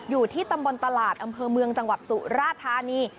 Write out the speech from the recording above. อยู่ที่ตำบลตลาดอำเภอเมืองจังหวัดสุราธานี